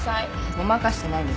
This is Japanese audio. ごまかしてないです。